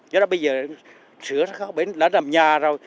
do đó bây giờ sửa sắc khó bởi nó đã làm nhà rồi